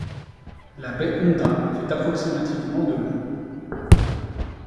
La baie Honda fait approximativement de long.